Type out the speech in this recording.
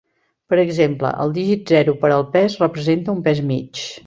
Per exemple, el digit zero per al pes representa un pes mig.